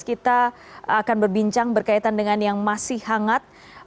kita akan berbincang berkaitan dengan yang masih hangat